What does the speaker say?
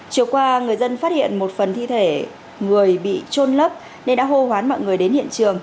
chiều qua người dân phát hiện một phần thi thể người bị trôn lấp nên đã hô hoán mọi người đến hiện trường